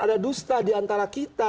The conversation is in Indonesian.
ada dusta diantara kita